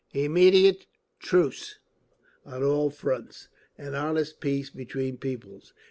Immediate truce on all fronts. An honest peace between peoples.